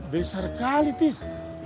besar kali tis